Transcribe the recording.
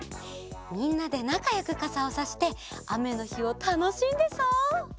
みんなでなかよくかさをさしてあめのひをたのしんでそう！